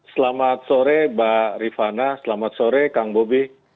selamat sore mbak rifana selamat sore kang bobi